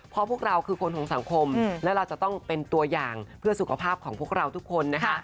เพราะพวกเราคือคนของสังคมและเราจะต้องเป็นตัวอย่างเพื่อสุขภาพของพวกเราทุกคนนะคะ